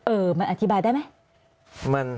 เออมันอธิบายได้มั้ย